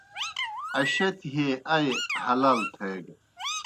اشَتیْ ہے ائی حلال تھیگہ۔